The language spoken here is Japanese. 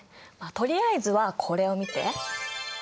とりあえずはこれを見て。